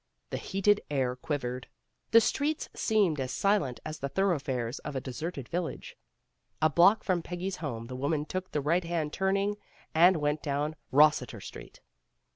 The heated air quivered. The streets seemed as silent as the thoroughfares of a deserted village. A block from Peggy's home, the woman took the right hand turning and went down Eossiter Street.